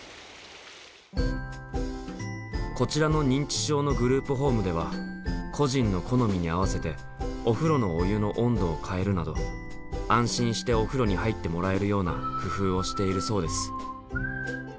こちらの認知症のグループホームでは個人の好みに合わせてお風呂のお湯の温度を変えるなど安心してお風呂に入ってもらえるような工夫をしているそうです。